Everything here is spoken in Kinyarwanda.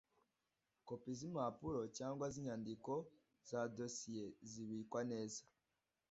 Kopi z’impapuro cyangwa z’inyandiko za dosiye, zibikwa neza